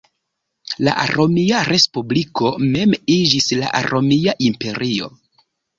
La Romia Respubliko mem iĝis la Romia Imperio.